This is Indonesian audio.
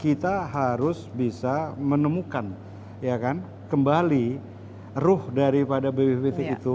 kita harus bisa menemukan kembali ruh daripada bppt itu